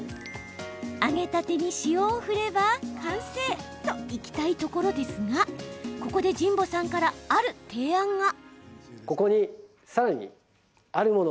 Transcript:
揚げたてに塩を振れば完成！といきたいところですがここで神保さんからある提案が。